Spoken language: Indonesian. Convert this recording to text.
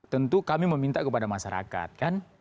tentu kami meminta kepada masyarakat kan